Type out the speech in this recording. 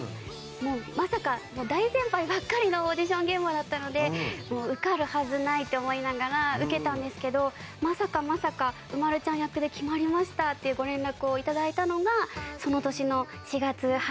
まさか大先輩ばっかりのオーディション現場だったのでもう受かるはずないって思いながら受けたんですけどまさかまさか「うまるちゃん役で決まりました」っていうご連絡をいただいたのがその年の４月春で。